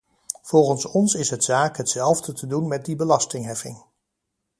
Volgens ons is het zaak hetzelfde te doen met de belastingheffing.